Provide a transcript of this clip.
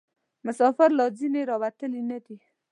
مسافر لا ځني راوتلي نه دي.